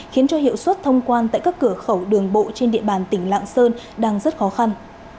khiến cho hiệu suất thông quan tại các cửa khẩu đường bộ trên địa bàn tỉnh lạng sơn đang rất khó khăn